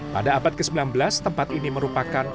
pada abad ke sembilan belas tempat ini merupakan